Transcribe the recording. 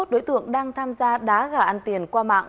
hai mươi đối tượng đang tham gia đá gà ăn tiền qua mạng